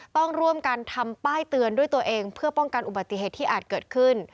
ต้องร่วมกันทำป้ายเตือนด้วยตัวเองเพื่อป้องกันอุบัติเหตุที่อาจเกิดขึ้น